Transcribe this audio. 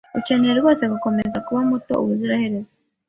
Ukeneye rwose gukomeza kuba muto ubuziraherezo?